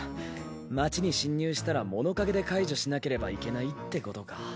街に侵入したら物陰で解除しなければいけないってことか。